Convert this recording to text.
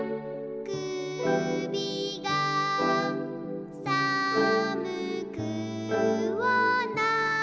くびがさむくはないですか」